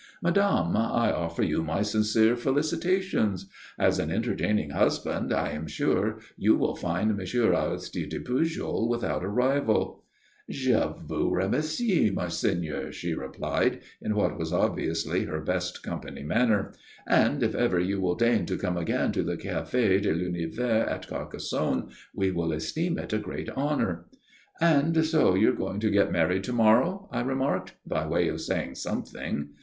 "Madame, I offer you my sincere felicitations. As an entertaining husband I am sure you will find M. Aristide Pujol without a rival." "Je vous remercie, monseigneur," she replied, in what was obviously her best company manner. "And if ever you will deign to come again to the Café de l'Univers at Carcassonne we will esteem it a great honour." "And so you're going to get married to morrow?" I remarked, by way of saying something.